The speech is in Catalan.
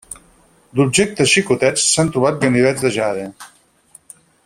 D'objectes xicotets s'han trobat ganivets de jade.